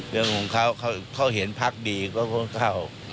เรื่องของเขาเขาเห็นพักดีเขาก็เข้า